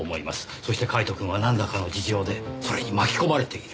そしてカイトくんはなんらかの事情でそれに巻き込まれている。